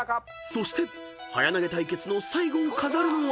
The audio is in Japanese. ［そして速投げ対決の最後を飾るのは］